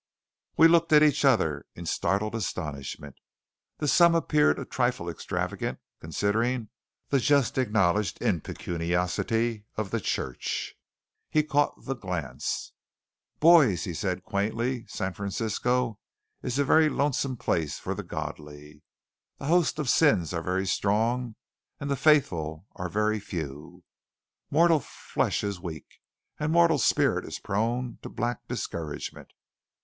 We looked at each other in startled astonishment. The sum appeared a trifle extravagant considering the just acknowledged impecuniosity of the church. He caught the glance. "Boys," he said quaintly, "San Francisco is a very lonesome place for the godly. The hosts of sin are very strong, and the faithful are very few. Mortal flesh is weak; and mortal spirit is prone to black discouragement.